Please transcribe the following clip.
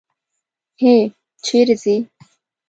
هی! چېرې ځې؟